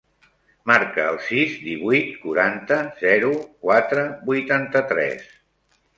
Marca el sis, divuit, quaranta, zero, quatre, vuitanta-tres.